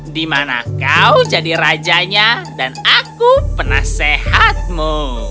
dimana kau jadi rajanya dan aku penasehatmu